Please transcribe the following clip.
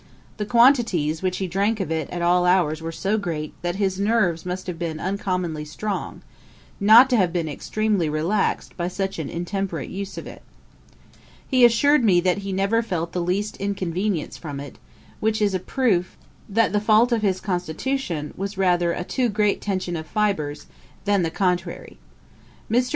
The quantities which he drank of it at all hours were so great, that his nerves must have been uncommonly strong, not to have been extremely relaxed by such an intemperate use of it. He assured me, that he never felt the least inconvenience from it; which is a proof that the fault of his constitution was rather a too great tension of fibres, than the contrary. Mr.